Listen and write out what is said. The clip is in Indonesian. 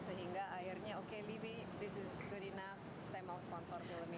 sehingga akhirnya oke ini cukup bagus saya mau sponsor film ini